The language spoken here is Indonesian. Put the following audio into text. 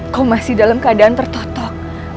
kau masih dalam keadaan tertotok